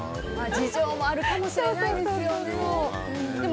事情もあるかもしれないですよね。